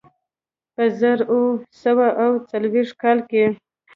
په زر اووه سوه اوه څلوېښت کال کې.